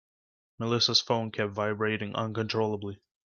Melissa's phone kept vibrating uncontrollably.